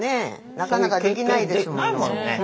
なかなかできないですもの。